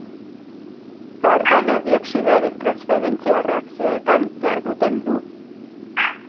Karbono dioxidoaren transferentzia-erreakzioetan jarduten du.